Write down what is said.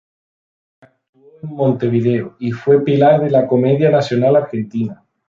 Actuó en Montevideo y fue pilar de la Comedia Nacional Argentina.